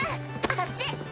あっち？